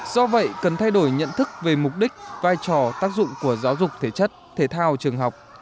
do vậy cần thay đổi nhận thức về mục đích vai trò tác dụng của giáo dục thể chất thể thao trường học